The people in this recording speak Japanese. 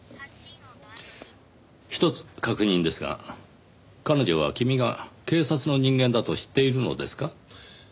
ひとつ確認ですが彼女は君が警察の人間だと知っているのですか？